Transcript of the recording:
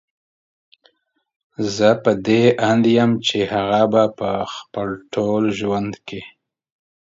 زه په دې اند يم چې هغه به په خپل ټول ژوند کې